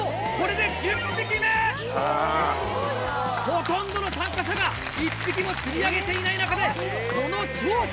ほとんどの参加者が１匹も釣り上げていない中でこの釣果！